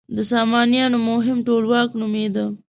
د سامانیانو مهم ټولواک نومېده.